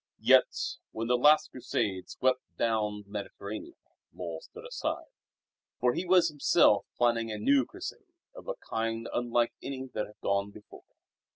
Yet, when the last Crusade swept down the Mediterranean, Lull stood aside; for he was himself planning a new Crusade of a kind unlike any that had gone before.